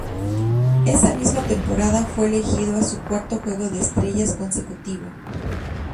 Esa misma temporada fue elegido a su cuarto Juego de Estrellas consecutivo.